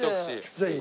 ぜひ。